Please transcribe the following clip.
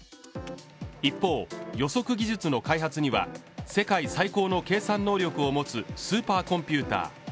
一方予測技術の開発には世界最高の計算能力を持つスーパーコンピューター